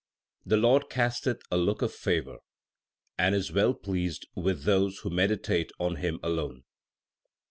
The Lord casteth a look of favour, and is well pleased with those who meditate on Him alone.